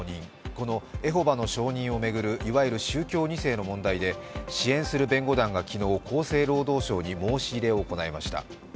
このエホバの証人を巡る、いわゆる宗教２世の問題で支援する弁護団が昨日、厚生労働省に申し入れを行いました。